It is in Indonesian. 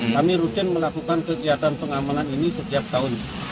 kami rutin melakukan kegiatan pengamanan ini setiap tahun